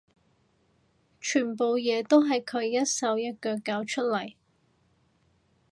全部嘢都係佢一手一腳搞出嚟